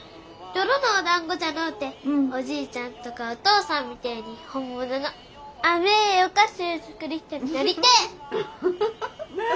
泥のおだんごじゃのうておじいちゃんとかお父さんみてえに本物の甘えお菓子ゅう作る人になりてえ！